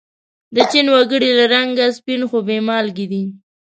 د چین و گړي له رنگه سپین خو بې مالگې دي.